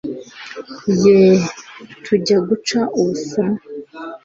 yeee tujya guca ubusuna